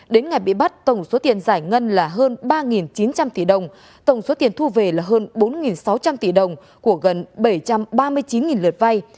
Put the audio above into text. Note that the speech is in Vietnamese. đến ngày bị bắt tổng số tiền giải ngân là hơn ba chín trăm linh tỷ đồng tổng số tiền thu về là hơn bốn sáu trăm linh tỷ đồng của gần bảy trăm ba mươi chín lượt vay